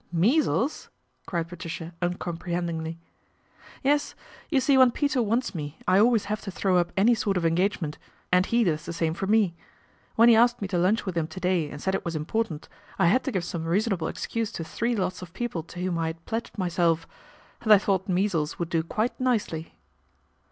" Measles !" cried Patricia uncomprehendingly. " Yes, you see when Peter wants me I always have to throw up any sort of engagement, and he does the same for me. When he asked me to lunch with him to day and said it was important, I had to give some reasonable excuse to three lots of people to whom I had pledged myself, and I thought measles would do quite nicely."